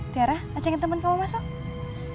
tiara aja ngin temen kamu masuk